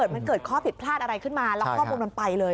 มันเกิดข้อผิดพลาดอะไรขึ้นมาแล้วข้อมูลมันไปเลย